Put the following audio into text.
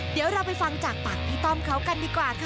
เดี๋ยวเราไปฟังจากปากพี่ต้อมเขากันดีกว่าค่ะ